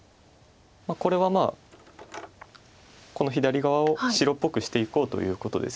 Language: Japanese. これはこの左側を白っぽくしていこうということです。